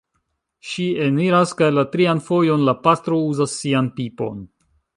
Ŝi eniras kaj la trian fojon la pastro uzas sian pipon...